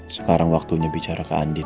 sekarang waktunya bicara ke andika